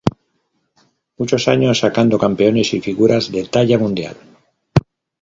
Muchos años sacando campeones y figuras de talla mundial.